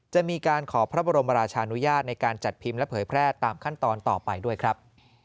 จะมีการขอพระบรมราชานุญาตในการจัดพิมพ์และเผยแพร่ตามขั้นตอนต่อไปด้วยครับ